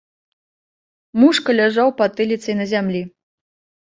Мушка ляжаў патыліцай на зямлі.